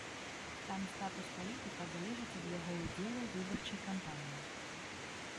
Там статус палітыка залежыць ад яго ўдзелу ў выбарчай кампаніі.